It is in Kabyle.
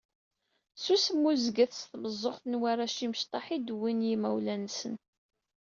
S usmuzget s tmeẓẓuɣt n warrac imecṭaḥ i d-uwin yimawlan-nsen.